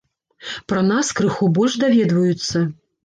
Пра нас крыху больш даведваюцца.